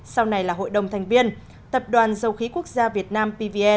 sau này là hội đồng thành viên tập đoàn dầu khí quốc gia việt nam pve